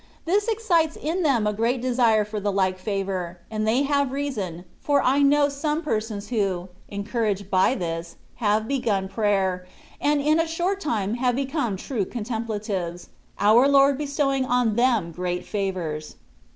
This excites in them a great desire for the like favour ; and they have reason, for I know some persons who, encouraged by this, have begun prayer, and in a short time have become true contemplatives, our Lord be stowing on them great favours.